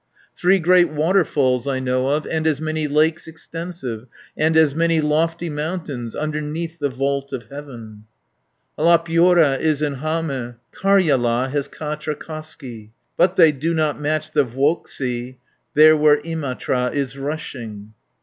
"Three great waterfalls I know of, And as many lakes extensive, And as many lofty mountains, Underneath the vault of heaven. Halläpyörä is in Hame, Karjala has Kaatrakoski, 180 But they do not match the Vuoksi, There where Imatra is rushing."